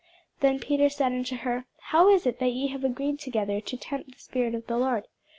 Then Peter said unto her, How is it that ye have agreed together to tempt the Spirit of the Lord?